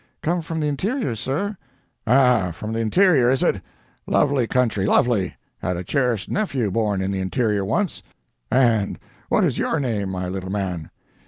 "'Come from the interior, sir.' "'Ah—from the interior, is it? Lovely country—lovely. Had a cherished nephew born in the interior once. And what is your name, my little man?'